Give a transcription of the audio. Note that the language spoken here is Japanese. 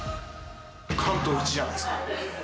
関東一じゃないですか。